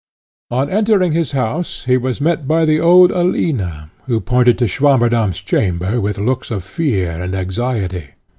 On entering his house he was met by the old Alina, who pointed to Swammerdamm's chamber with looks of fear and anxiety.